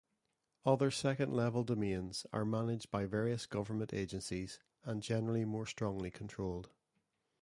Other second-level domains are managed by various government agencies, and generally more strongly controlled.